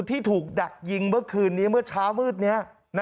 ที่ถูกดักยิงเมื่อคืนนี้เมื่อเช้ามืดนี้